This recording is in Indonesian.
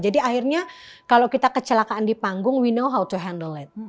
jadi akhirnya kalau kita kecelakaan di panggung we know how to handle it